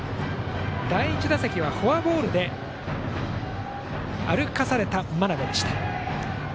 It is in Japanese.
第１打席はフォアボールで歩かされた真鍋。